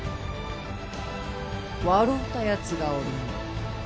笑うたやつがおるの。